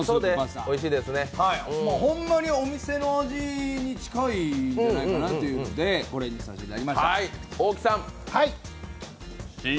ホンマにお店の味に近いんじゃないかなというんでこれにさせていただきました。